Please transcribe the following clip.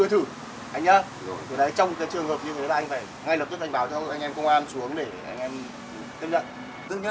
trong trường hợp như thế anh phải ngay lập kết thành báo cho anh em công an xuống để anh em tiếp nhận